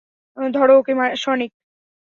ধরো ওকে, সনিক!